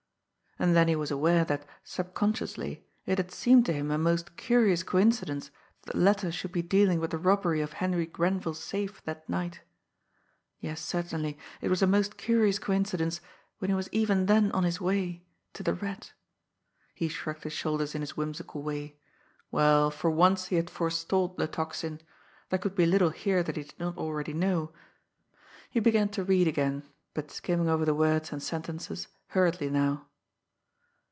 And then he was aware that, subconsciously, it had seemed to him a most curious coincidence that the letter should be dealing with the robbery of Henry Grenville's safe that night. Yes, certainly, it was a most curious coincidence, when he was even then on his way to the Rat! He shrugged his shoulders in his whimsical way. Well, for once, he had forestalled the Tocsin! There could be little here that he did not already know. He began to read again, but skimming over the words and sentences hurriedly now.